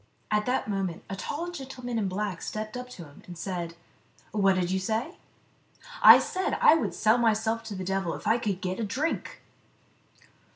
At that moment a tall gentleman in black stepped up to him, and said, " What did you say ?"" I said I would sell myself to the devil if I could get a drink."